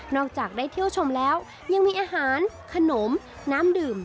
จากได้เที่ยวชมแล้วยังมีอาหารขนมน้ำดื่ม